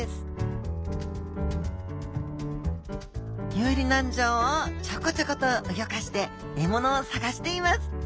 遊離軟条をちょこちょことうギョかして獲物を探しています。